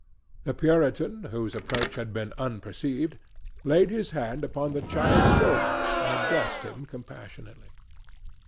The Puritan, whose approach had been unperceived, laid his hand upon the child's shoulder and addressed him compassionately.